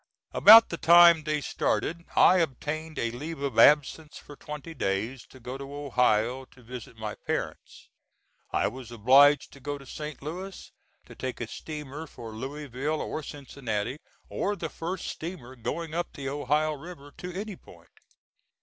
About the time they started I obtained a leave of absence for twenty days to go to Ohio to visit my parents. I was obliged to go to St. Louis to take a steamer for Louisville or Cincinnati, or the first steamer going up the Ohio River to any point.